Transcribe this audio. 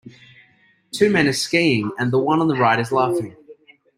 two men are skiing and the one on the right is laughing